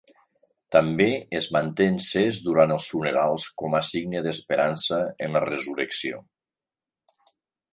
També es manté encès durant els funerals com a signe d'esperança en la resurrecció.